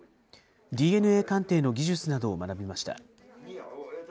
ＤＮＡ鑑定の技術などを学びました。